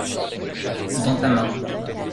Dans ta main.